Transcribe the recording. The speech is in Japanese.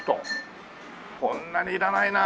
こんなにいらないなあ。